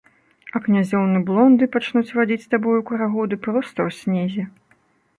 А князёўны-блонды пачнуць вадзіць з табою карагоды проста ў снезе.